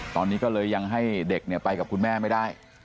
ตอนนี้ก็เลยยังให้เด็กไปกับคุณแม่ไม่ได้